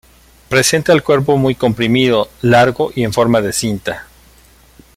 Presenta el cuerpo muy comprimido, largo y en forma de cinta.